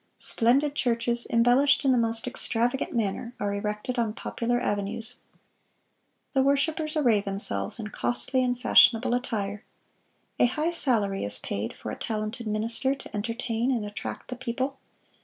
Splendid churches, embellished in the most extravagant manner, are erected on popular avenues. The worshipers array themselves in costly and fashionable attire. A high salary is paid for a talented minister to entertain and attract the people.